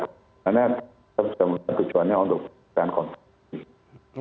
karena kita sudah mencari tujuannya untuk penyelesaian konflik